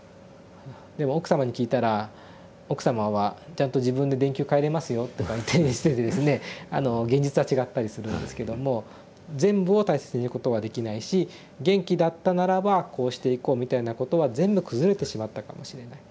でも奥様に聞いたら奥様は「ちゃんと自分で電球替えれますよ」とかいって現実は違ったりするんですけども全部を大切にすることはできないし「元気だったならばこうしていこう」みたいなことは全部崩れてしまったかもしれない。